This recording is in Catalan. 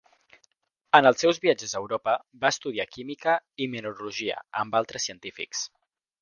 En els seus viatges a Europa, va estudiar química i mineralogia amb altres científics.